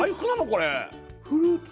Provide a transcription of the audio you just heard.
これフルーツ？